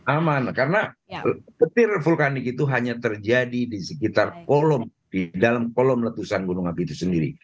aman karena petir vulkanik itu hanya terjadi di sekitar kolom letusan gunung api itu sendiri